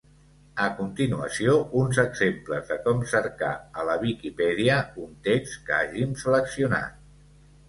A continuació uns exemples de com cercar a la Viquipèdia un text que hàgim seleccionat.